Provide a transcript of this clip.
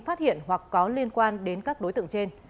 phát hiện hoặc có liên quan đến các đối tượng trên